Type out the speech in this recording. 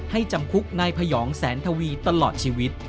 จำคุกนายพยองแสนทวีตลอดชีวิต